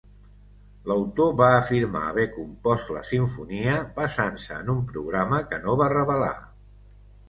L'autor va afirmar haver compost la simfonia basant-se en un programa que no va revelar.